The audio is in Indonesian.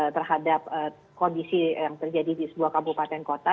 terhadap kondisi yang terjadi di sebuah kabupaten kota